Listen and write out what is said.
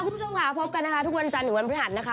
คุณผู้ชมค่ะพบกันนะคะทุกวันจันทร์ถึงวันพฤหัสนะคะ